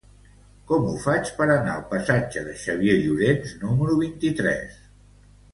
Com ho faig per anar al passatge de Xavier Llorens número vint-i-tres?